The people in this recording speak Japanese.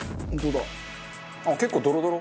あっ結構ドロドロ。